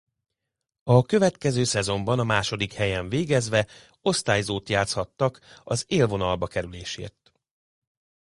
A következő szezonban a második helyen végezve osztályozót játszhattak az élvonalba kerülésért.